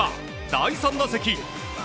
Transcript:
第３打席。